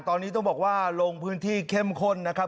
ตอนนี้ต้องบอกว่าลงพื้นที่เข้มข้นนะครับ